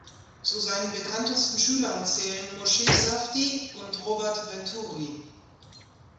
Zu seinen bekanntesten Schülern zählen Mosche Safdie und Robert Venturi.